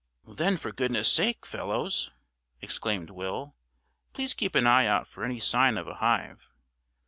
"Then, for goodness' sake, fellows," exclaimed Will, "please keep an eye out for any sign of a hive.